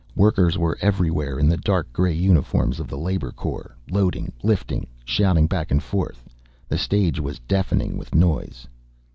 Workers were everywhere, in the dark gray uniforms of the labor corps, loading, lifting, shouting back and forth. The stage was deafening with noise.